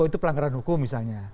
itu pelanggaran hukum misalnya